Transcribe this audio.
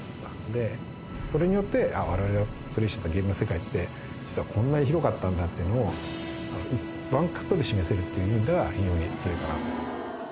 これによって、我々がプレイしていたゲームの世界って実は、こんなに広かったんだっていうのを１カットで示せるっていう意味では非常に強いかなと。